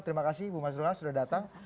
terima kasih ibu mas ruha sudah datang